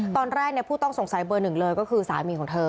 ตอนแรกผู้ต้องสงสัยเบอร์หนึ่งเลยก็คือสามีของเธอ